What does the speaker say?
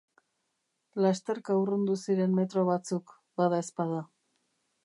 Lasterka urrundu ziren metro batzuk, badaezpada.